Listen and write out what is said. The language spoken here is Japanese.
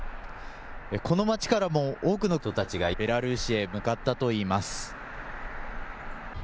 この町からも多くの人たちがベラルーシへ向かったといいます。